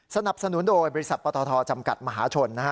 สนับสนุนโดยบริษัทปตทจำกัดมหาชน